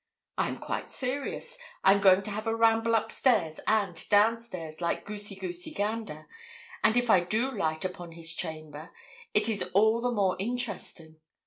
'I am quite serious. I am going to have a ramble up stairs and down stairs, like goosey goosey gander; and if I do light upon his chamber, it is all the more interesting.